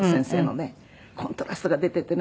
コントラストが出ていてね